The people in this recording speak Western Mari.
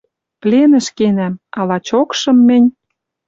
Пленӹш кенӓм. А лачокшым мӹнь...